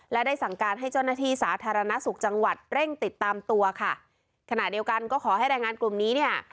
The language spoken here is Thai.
และได้สั่งการให้เจ้าหน้าที่สาธารณสุขจังหวัดเร่งติดตามตัวค่ะขณะเดียวกันก็ขอให้แรงงานกลุ่มนี้เนี่ย